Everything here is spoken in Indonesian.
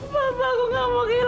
bapak aku enggak mau gitu pak